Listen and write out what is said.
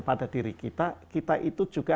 pada diri kita kita itu juga